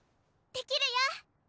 できるよ！